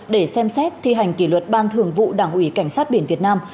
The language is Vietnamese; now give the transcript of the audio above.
để xem xét thi hành kỷ luật ban thường vụ đảng ủy cảnh sát biển việt nam